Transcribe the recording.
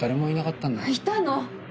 いたの！